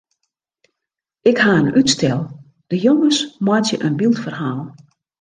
Ik ha in útstel: de jonges meitsje in byldferhaal.